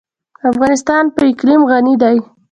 افغانستان په اقلیم غني دی.